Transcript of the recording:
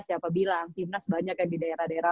siapa bilang hina sebanyak yang di daerah daerah